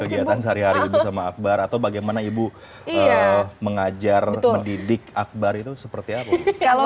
kegiatan sehari hari ibu sama akbar atau bagaimana ibu mengajar mendidik akbar itu seperti apa